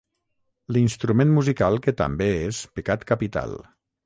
L'instrument musical que també és pecat capital.